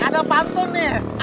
ada pantun nih